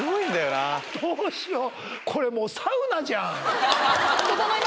どうしよう！